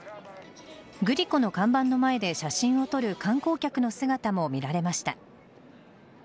グリコの看板の前で写真を撮る観光客の姿も見られました。